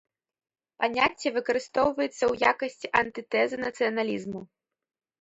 Паняцце выкарыстоўваецца ў якасці антытэзы нацыяналізму.